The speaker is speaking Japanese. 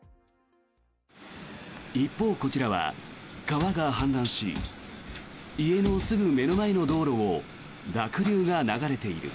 一方、こちらは川が氾濫し家のすぐ目の前の道路を濁流が流れている。